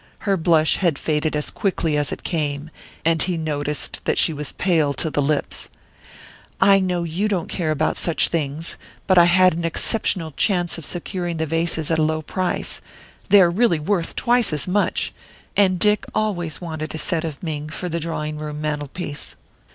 Her blush had faded as quickly as it came, and he noticed that she was pale to the lips. "I know you don't care about such things; but I had an exceptional chance of securing the vases at a low price they are really worth twice as much and Dick always wanted a set of Ming for the drawing room mantelpiece."